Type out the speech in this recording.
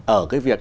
ở cái việc